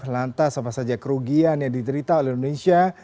lantas apa saja kerugian yang diderita oleh indonesia